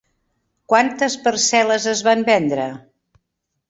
Quantes parcel·les es van vendre?